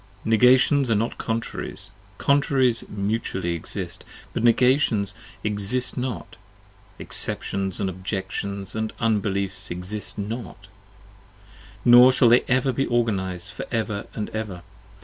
Negations are not Contraries: Contraries mutually Exist: But Negations Exist Not: Exceptions & Objections & Unbeliefs 35 Exist not: nor shall they ever be Organized for ever & ever.